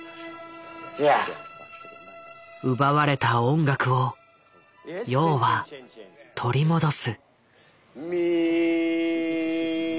奪われた音楽を楊は取り戻す。